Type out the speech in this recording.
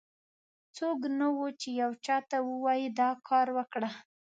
څوک نه و، چې یو چا ته ووایي دا کار وکړه.